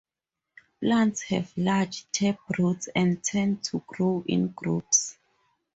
Plants have large taproots and tend to grow in groups.